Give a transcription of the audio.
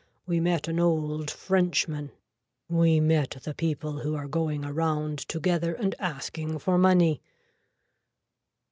We met an old frenchman. We met the people who are going around together and asking for money.